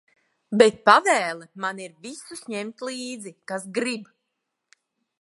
Bet pavēle man ir visus ņemt līdzi, kas grib.